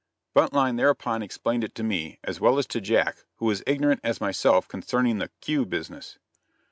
Buntline thereupon explained it to me, as well as to Jack, who was ignorant as myself concerning the "cue" business.